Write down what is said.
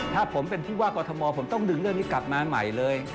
ถ้าผมเป็นผู้ว่ากรทมผมต้องดึงเรื่องนี้กลับมาใหม่เลย